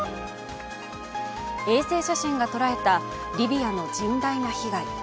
衛星写真が捉えたリビアの甚大な被害。